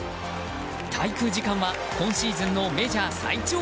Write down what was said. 滞空時間は今シーズンのメジャー最長。